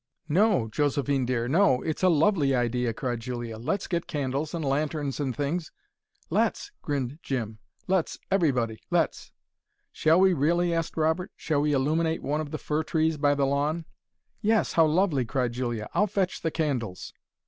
"NO, Josephine dear No! It's a LOVELY IDEA!" cried Julia. "Let's get candles and lanterns and things " "Let's!" grinned Jim. "Let's, everybody let's." "Shall we really?" asked Robert. "Shall we illuminate one of the fir trees by the lawn?" "Yes! How lovely!" cried Julia. "I'll fetch the candles."